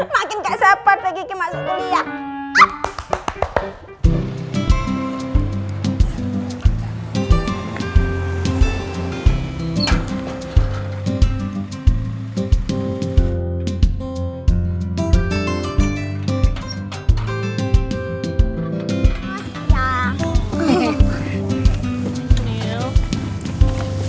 makin gak sempet lagi ke masuk kuliah